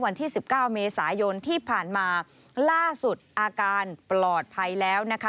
วันที่สิบเก้าเมษายนที่ผ่านมาล่าสุดอาการปลอดภัยแล้วนะคะ